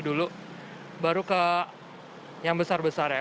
dulu baru ke yang besar besar ya